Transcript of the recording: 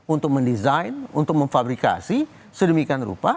untuk mendesain untuk memfabrikasi sedemikian rupa